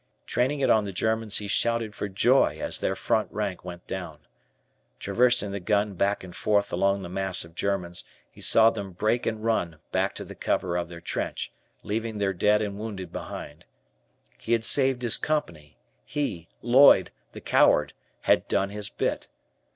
Training it on the Germans, he shouted for joy as their front rank went down. Traversing the gun back and forth along the mass of Germans, he saw them break and run back to the cover of their trench, leaving their dead and wounded behind. He had saved his Company, he, Lloyd, the coward, had "done his bit."